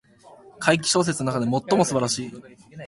怪奇小説の中で最も素晴らしい